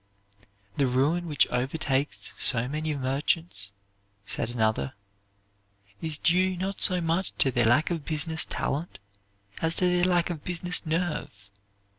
"The ruin which overtakes so many merchants," said another, "is due, not so much to their lack of business talent, as to their lack of business nerve.